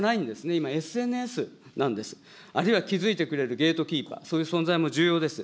今、ＳＮＳなんです、あるいは気付いてくれるゲートキーパー、そういう存在も重要です。